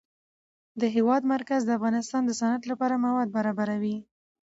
د هېواد مرکز د افغانستان د صنعت لپاره مواد برابروي.